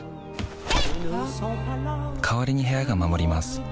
代わりに部屋が守ります